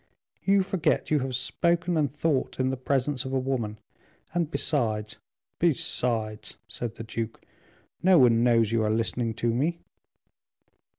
"You forget you have spoken and thought in the presence of a woman; and besides " "Besides," said the duke, "no one knows you are listening to me."